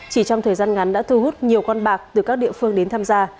chỉ trong thời gian ngắn đã thu hút nhiều con bạc từ các địa phương đến tham gia